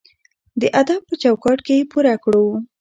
د ادب په چوکاټ کې یې پوره کړو.